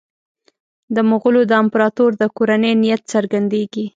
د مغولو د امپراطور د کورنۍ نیت څرګندېږي.